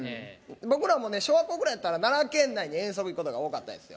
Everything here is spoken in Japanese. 僕らもね小学校ぐらいやったら奈良県内に遠足行くことが多かったですよ。